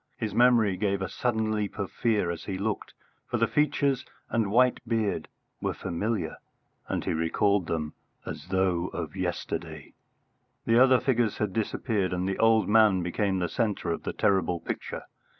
His memory gave a sudden leap of fear as he looked, for the features and white beard were familiar, and he recalled them as though of yesterday. The other figures had disappeared, and the old man became the centre of the terrible picture.